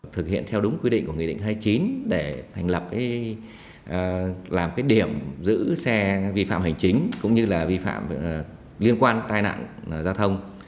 thực hiện theo đúng quy định của nghị định hai mươi chín để thành lập làm cái điểm giữ xe vi phạm hành chính cũng như là vi phạm liên quan tai nạn giao thông